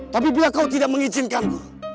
tapi bila kau tidak mengizinkan guru